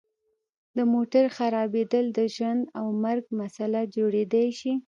د موټر خرابیدل د ژوند او مرګ مسله جوړیدای شي